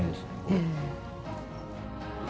ええ。